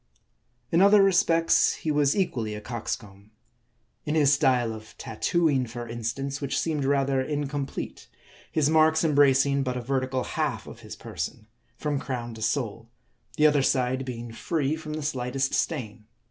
In other respects he was equally a coxcomb. In his style of tattooing, for instance, which seemed rather incomplete ; his marks embracing but a vertical half of his person, from crown to sole ; the other side being free from the slightest stain.